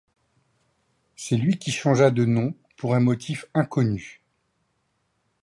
C'est lui qui changea de nom pour un motif inconnu.